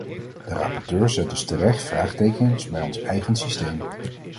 De rapporteur zet dus terecht vraagtekens bij ons eigen systeem.